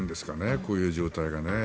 こういう状態がね。